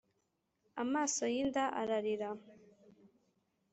amaso yinda, ararira,